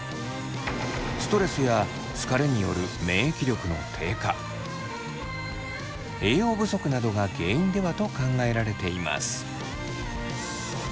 ストレスや疲れによる免疫力の低下栄養不足などが原因ではと考えられています。